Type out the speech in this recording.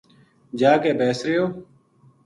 جا کے بیس رہیو